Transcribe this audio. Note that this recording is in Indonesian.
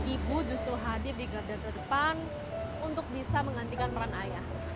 ibu justru hadir di garda terdepan untuk bisa menggantikan peran ayah